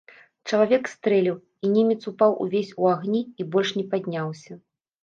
Чалавек стрэліў, і немец упаў увесь у агні, і больш не падняўся.